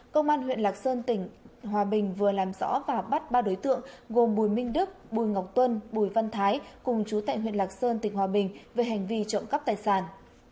công an huyện lạc sơn tỉnh hòa bình vừa làm rõ và bắt ba đối tượng gồm bùi minh đức bùi ngọc tuân bùi văn thái cùng chú tại huyện lạc sơn tỉnh hòa bình về hành vi trộm cắp tài sản